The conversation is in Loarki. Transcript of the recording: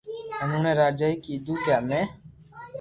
ھين اوڻي راجائي ڪآدو ڪي ھمي